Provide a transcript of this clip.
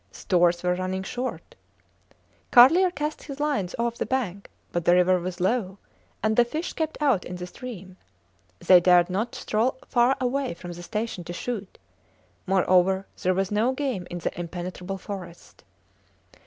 Stores were running short. Carlier cast his lines off the bank, but the river was low, and the fish kept out in the stream. They dared not stroll far away from the station to shoot. Moreover, there was no game in the impenetrable forest.